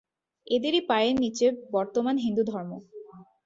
এঁদেরই পায়ের নীচে বর্তমান হিন্দুধর্ম।